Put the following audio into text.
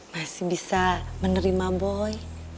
masih bisa menerima boy